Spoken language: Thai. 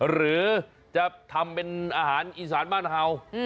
หรือจะทำเป็นอาหารอีสานบ้านเห่า